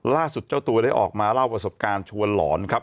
เจ้าตัวได้ออกมาเล่าประสบการณ์ชวนหลอนครับ